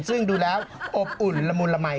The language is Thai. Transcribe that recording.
ซึ่งดูแล้วอบอุ่นละมุนละมัย